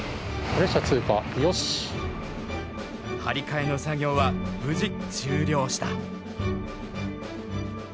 張り替えの作業は無事終了した。